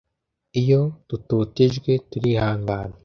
iyo dutotejwe turihangana